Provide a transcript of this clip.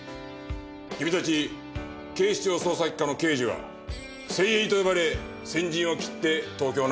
君たち警視庁捜査一課の刑事は精鋭と呼ばれ先陣を切って東京の安全を守っている。